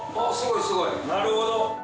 なるほど。